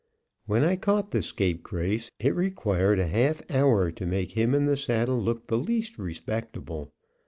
When I caught the scapegrace, it required a half hour to make him and the saddle look the least respectable.